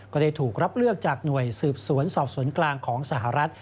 ก็ได้ถูกรับเลือกจากหน่วยสืบสวนสอบสวนกลางของสหรัฐ